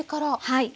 はい。